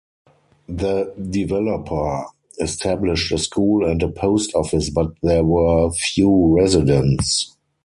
The developer established a school and a post office but there were few residents.